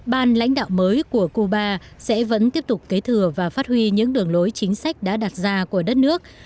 ban lãnh đạo mới của cuba sẽ vẫn tiếp tục kế thừa và phát huy những đường lối chính sách đã đặt ra của đất nước